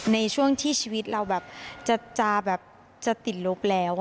ในช่วงที่ชีวิตเราแบบจะแบบจะติดลบแล้ว